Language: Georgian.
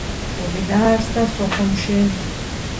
კლუბი დაარსდა სოხუმში.